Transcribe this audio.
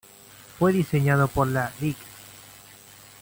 Fue diseñado por la Lic.